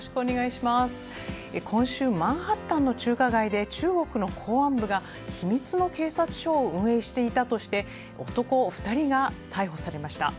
今週、マンハッタンの中華街で中国の公安部が秘密の警察署を運営していたとして男２人が逮捕されました。